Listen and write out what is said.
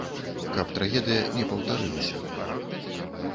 Каб трагедыя не паўтарылася.